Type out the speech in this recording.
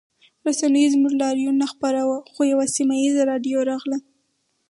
رسنیو زموږ لاریون نه خپراوه خو یوه سیمه ییزه راډیو راغله